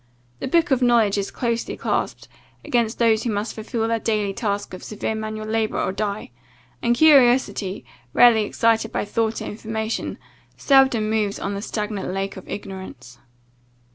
The book of knowledge is closely clasped, against those who must fulfil their daily task of severe manual labour or die; and curiosity, rarely excited by thought or information, seldom moves on the stagnate lake of ignorance."